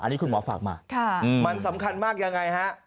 อันนี้คุณหมอฝากมามันสำคัญมากยังไงฮะ